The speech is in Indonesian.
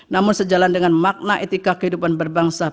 namun sejalan dengan makna etika kehidupan berbangsa